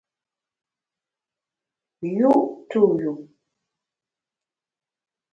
Yu’ tu yu.